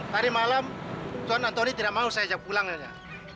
hari malam tuan antoni tidak mau saya ajak pulang nyonya